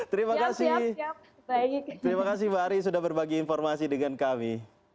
terima kasih mbak ari sudah berbagi informasi dengan kami